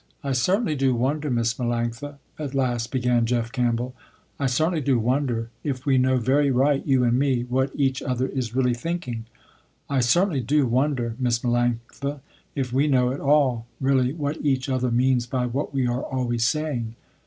"I certainly do wonder, Miss Melanctha," at last began Jeff Campbell, "I certainly do wonder, if we know very right, you and me, what each other is really thinking. I certainly do wonder, Miss Melanctha, if we know at all really what each other means by what we are always saying."